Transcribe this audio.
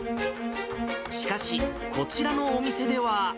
しかし、こちらのお店では。